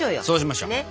そうしましょ。